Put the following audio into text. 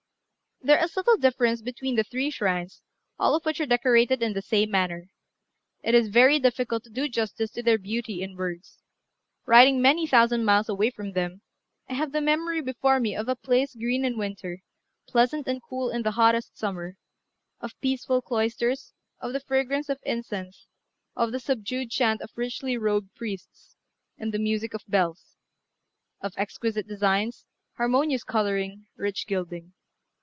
There is little difference between the three shrines, all of which are decorated in the same manner. It is very difficult to do justice to their beauty in words. Writing many thousand miles away from them, I have the memory before me of a place green in winter, pleasant and cool in the hottest summer; of peaceful cloisters, of the fragrance of incense, of the subdued chant of richly robed priests, and the music of bells; of exquisite designs, harmonious colouring, rich gilding.